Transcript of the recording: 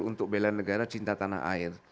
untuk bela negara cinta tanah air